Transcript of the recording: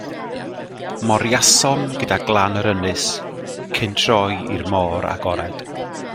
Moriasom gyda glan yr ynys, cyn troi i'r môr agored.